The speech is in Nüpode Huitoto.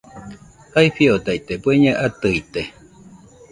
Jae fiodaite bueñe atɨite